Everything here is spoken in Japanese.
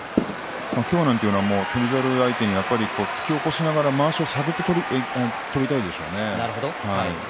今日は翔猿を相手に突き起こしながらまわしを探って取りたいでしょうね。